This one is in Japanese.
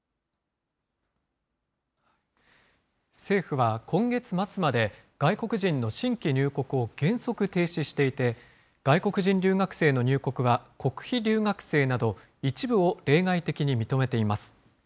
政府は今月末まで、外国人の新規入国を原則停止していて、外国人留学生の入国は、国費留学生など、一部を例外的に認めています。